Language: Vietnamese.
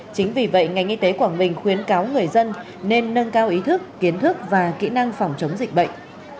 chính vì vậy ngành y tế quảng bình khuyến cáo người dân nên nâng cao ý thức kiến thức và kỹ năng phòng chống dịch bệnh